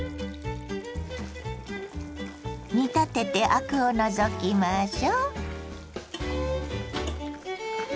煮立ててアクを除きましょ。